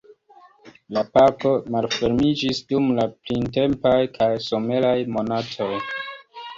La parko malfermiĝis dum la printempaj kaj someraj monatoj.